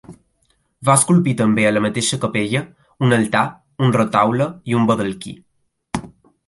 Va esculpir també, a la mateixa capella, un altar, un retaule i un baldaquí.